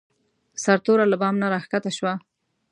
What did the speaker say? سرتوره له بام نه راکښته شوه.